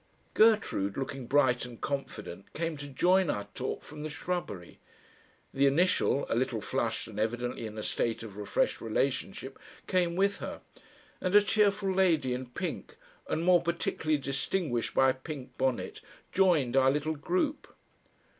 Gertrude, looking bright and confident, came to join our talk from the shrubbery; the initial, a little flushed and evidently in a state of refreshed relationship, came with her, and a cheerful lady in pink and more particularly distinguished by a pink bonnet joined our little group.